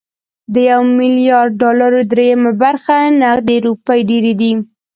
د يو ميليارد ډالرو درېيمه برخه نغدې روپۍ ډېرې دي.